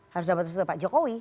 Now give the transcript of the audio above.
harus dapat restu dari pak jokowi